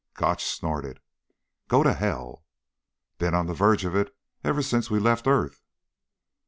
Gotch snorted: "Go to hell." "Been on the verge of it ever since we left earth."